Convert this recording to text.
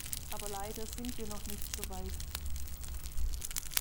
Aber leider sind wir noch nicht so weit.